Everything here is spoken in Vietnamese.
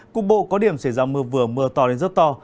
cục bộ có điểm xảy ra mưa vừa mưa to đến rất to